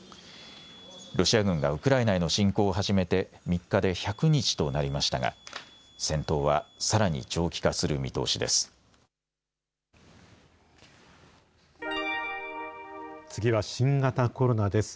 ロシア軍がウクライナへの侵攻を始めて３日で１００日となりましたが、戦闘はさらに長期化する見通しです。